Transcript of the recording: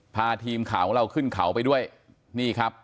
พาทีมข่าวของเราขึ้นเขาไปด้วยนี่ครับ